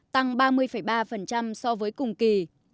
tăng ba mươi ba so với cùng kỳ